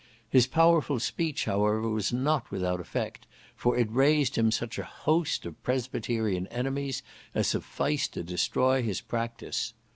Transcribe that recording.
His powerful speech, however, was not without effect, for it raised him such a host of Presbyterian enemies as sufficed to destroy his practice.